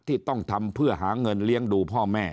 ที่ต้องทำเพื่อหาเงินเลี้ยงดูพ่อแม่